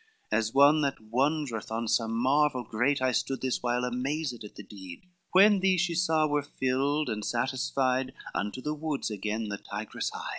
As one that wondereth on some marvel great, I stood this while amazed at the deed. When thee she saw well filled and satisfied, Unto the woods again the tigress hied.